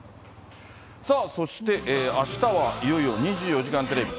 さあそして、あしたはいよいよ２４時間テレビ。